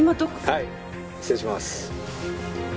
「はい失礼します」